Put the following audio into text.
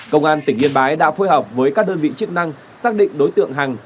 công an tỉnh yên bái đã phối hợp với các đơn vị chức năng xác định đối tượng hằng